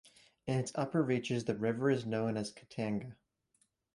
In its upper reaches the river is known as Katanga.